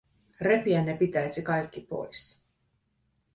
Repiä ne pitäisi kaikki pois.